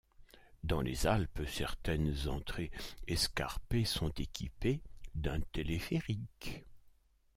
Dans les Alpes certaines entrées escarpées sont équipées d'un téléphérique.